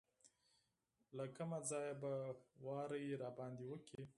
له کومه ځایه به واری راباندې وکړي.